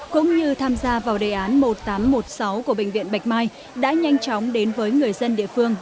cũng như tham gia vào đề án một nghìn tám trăm một mươi sáu của bệnh viện bạch mai đã nhanh chóng đến với người dân địa phương